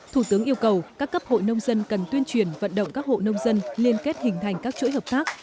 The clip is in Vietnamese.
thủ tướng yêu cầu các cấp hội nông dân cần tuyên truyền vận động các hộ nông dân liên kết hình thành các chuỗi hợp tác